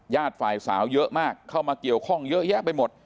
ฝ่ายสาวเยอะมากเข้ามาเกี่ยวข้องเยอะแยะไปหมด